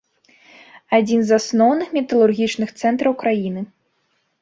Адзін з асноўных металургічных цэнтраў краіны.